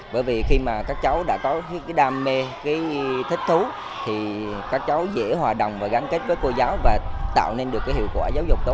bởi vì khi mà các cháu đã có những cái đam mê cái thích thú thì các cháu dễ hòa đồng và gắn kết với cô giáo và tạo nên được cái hiệu quả giáo dục tốt